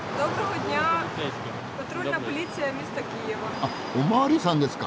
あっお巡りさんですか。